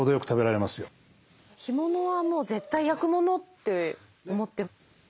干物はもう絶対焼くものって思って。